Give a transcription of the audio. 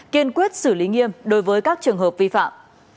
kiên quyết xử lý nghiêm đối với các trường hợp vi phạm